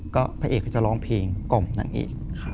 ก็พระเอกเขาจะร้องเพลงกล่อมนางเอก